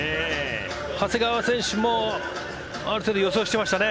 長谷川選手もある程度、予想していましたね。